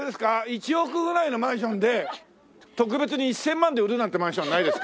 １億ぐらいのマンションで特別に１０００万で売るなんてマンションないですか？